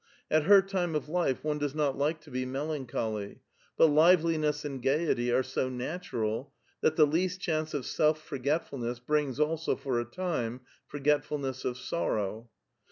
At her time of life one does not like to be mel anchol}* ; but liveliness and gayety are so natural that the least chance of self forgetfulness brings also, for a time, forgetfulness of sorrow.